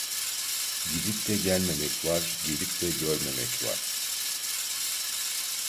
Gidip de gelmemek var, gelip de görmemek var.